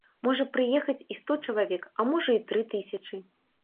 Можа прыехаць і сто чалавек, а можа і тры тысячы.